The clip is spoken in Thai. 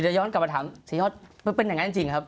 เดี๋ยวกลับมาถามซีฮิอลมันเป็นอย่างไรจริงครับ